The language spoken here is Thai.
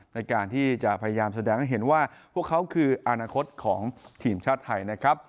ในการที่จะพยายามแสดงให้เห็นว่าพวกเขาคืออนาคตของทีมชาติไทยนะครับ